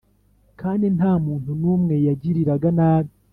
kandi nta muntu n’umwe yagiriraga nabi